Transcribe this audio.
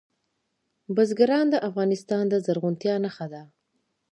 بزګان د افغانستان د زرغونتیا نښه ده.